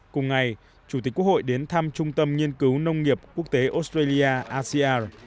cùng ngày chủ tịch quốc hội đến thăm trung tâm nghiên cứu nông nghiệp quốc tế australia asean